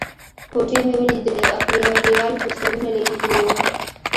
کوټې مې ولیدلې او پر یوه دېوال پوسټرونه لګېدلي وو.